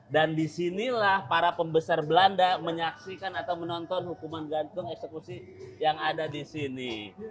dan di sinilah para pembesar belanda menyaksikan atau menonton hukuman gantung eksekusi yang ada di sini